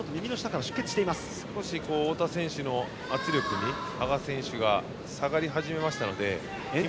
少し太田選手の圧力に羽賀選手が下がり始めましたので。